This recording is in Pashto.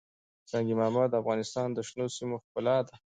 سنگ مرمر د افغانستان د شنو سیمو ښکلا ده.